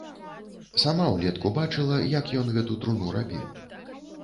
Сама ўлетку бачыла, як ён гэту труну рабіў.